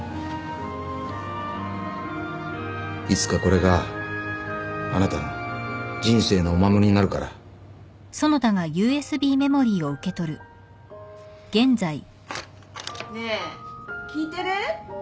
いつかこれがあなたの人生のお守りになるからねえ聞いてる？